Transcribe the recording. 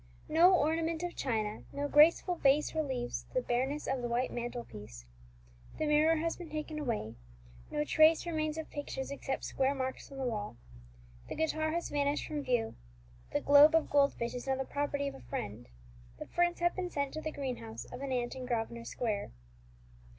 No ornament of china, no graceful vase relieves the bareness of the white mantelpiece; the mirror has been taken away, no trace remains of pictures except square marks on the wall. The guitar has vanished from view; the globe of gold fish is now the property of a friend; the ferns have been sent to the greenhouse of an aunt in Grosvenor Square.